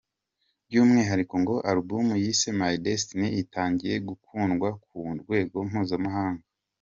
By’umwihariko ngo album yise “My Destiny” itangiye gukundwa ku rwego mpuzamahanga.